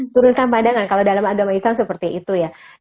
turunkan pandangan kalau dalam agama islam seperti itu ya